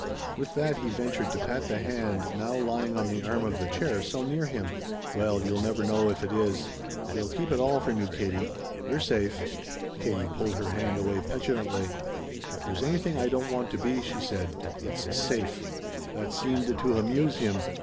With that he ventured to pat the hand now lying on the arm of the chair so near him. "Well you'll never know it, if it is. We'll keep it all from you, Katie. You're safe." Katie pulled her hand away petulantly. "If there's anything I don't want to be," she said, "it's safe." That seemed to amuse him.